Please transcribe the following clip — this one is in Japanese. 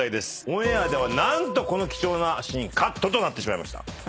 オンエアでは何とこの貴重なシーンカットとなってしまいました。